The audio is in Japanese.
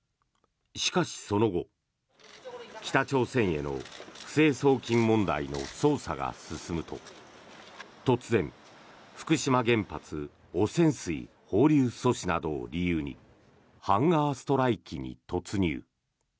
しかし、その後北朝鮮への不正送金問題の捜査が進むと突然福島原発汚染水放流阻止などを理由にハンガーストライキに突入。